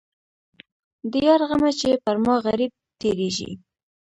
د یار غمه چې پر ما غريب تېرېږي.